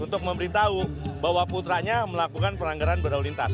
untuk memberitahu bahwa putranya melakukan pelanggaran berlalu lintas